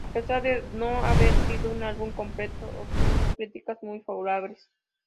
A pesar de no haber sido un álbum completo obtuvo críticas muy favorables.